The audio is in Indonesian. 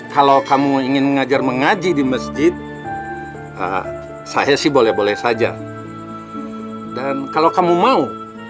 kalau kamu ingin mengajar mengaji di masjid saya sih boleh boleh saja dan kalau kamu mau